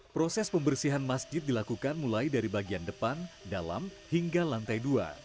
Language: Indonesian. proses pembersihan masjid dilakukan mulai dari bagian depan dalam hingga lantai dua